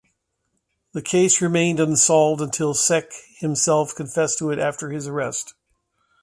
This case remained unsolved until Sek himself confessed to it after his arrest.